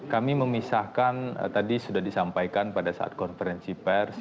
kami memisahkan tadi sudah disampaikan pada saat konferensi pers